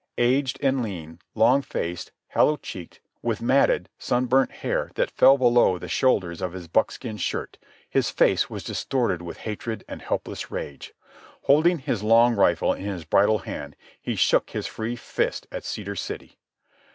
Aged and lean, long faced, hollow checked, with matted, sunburnt hair that fell below the shoulders of his buckskin shirt, his face was distorted with hatred and helpless rage. Holding his long rifle in his bridle hand, he shook his free fist at Cedar City.